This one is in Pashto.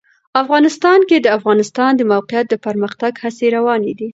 افغانستان کې د د افغانستان د موقعیت د پرمختګ هڅې روانې دي.